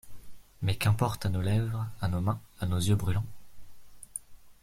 Mais qu'importe à nos lèvres, à nos mains, à nos yeux brûlants?